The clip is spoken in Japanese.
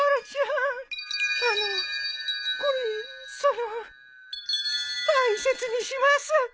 あのこれその大切にします。